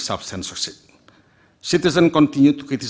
pembangunan terus mengkritik pemerintah